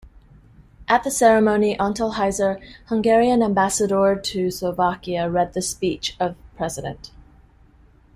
At the ceremony Antal Heizer Hungarian ambassador to Slovakia read the speech of President.